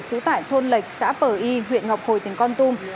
trú tại thôn lệch xã pờ y huyện ngọc hồi tỉnh con tum